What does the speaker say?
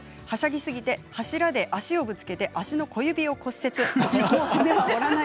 はしゃぎすぎて柱で足をぶつけて足の小指を骨折。